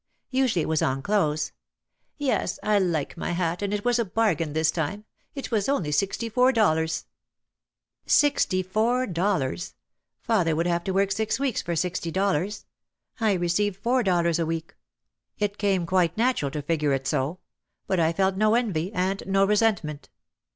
Usually it was on clothes. "Yes, I like my hat and it was a bargain this time. It was only sixty four dollars " "Sixty four dollars! — Father would have to work six weeks for sixty dollars. I received four dollars a week." It came quite natural to figure it so. But I felt no envy and no resentment.